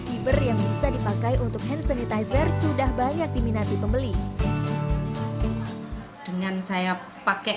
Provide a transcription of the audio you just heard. fiber yang bisa dipakai untuk hand sanitizer sudah banyak diminati pembeli dengan saya pakai